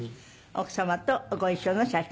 奥様とご一緒の写真です。